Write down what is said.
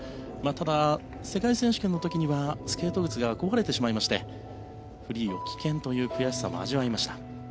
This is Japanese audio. ただ、世界選手権の時にはスケート靴が壊れてしまいましてフリーを棄権という悔しさも味わいました。